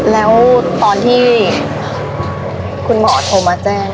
แล้วตอนที่คุณหมอโทรมาแจ้ง